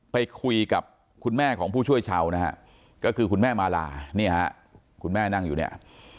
ไปคุยกับคุณแม่ของผู้ช่วยชาวนะฮะก็คือคุณแม่มาลานี่ฮะคุณแม่นั่งอยู่เนี่ย